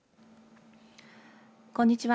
こんにちは。